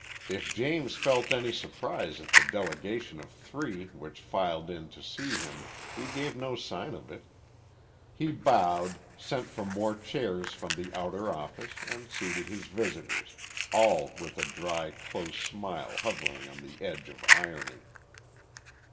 If James felt any surprise at the delegation of three which filed in to see him he gave no sign of it. He bowed, sent for more chairs from the outer office, and seated his visitors, all with a dry, close smile hovering on the edge of irony.